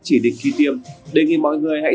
chỉ định khi tiêm đề nghị mọi người hãy